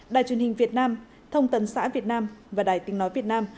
đài truyền hình việt nam thông tấn xã việt nam và đài tình nói việt nam